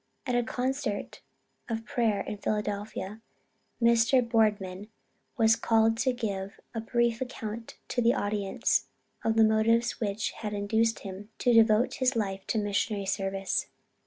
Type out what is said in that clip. At a concert of prayer in Philadelphia, Mr. Boardman was called upon to give a brief account to the audience of the motives which had induced him to devote his life to the missionary service.